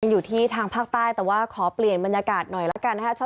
อยู่ที่ทางภาคใต้แต่ว่าขอเปลี่ยนบรรยากาศหน่อยละกันนะครับ